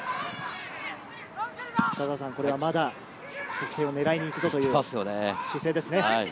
これはまだ得点を狙いに行くぞという姿勢ですね。